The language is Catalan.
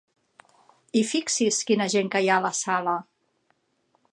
I fixi's quina gent que hi ha a la sala!